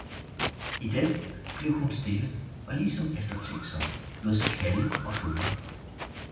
I den blev hun stille og ligesom eftertænksom, lod sig kalde og føre